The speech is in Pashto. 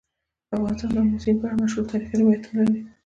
افغانستان د آمو سیند په اړه مشهور تاریخی روایتونه لري.